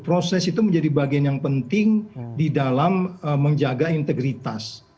proses itu menjadi bagian yang penting di dalam menjaga integritas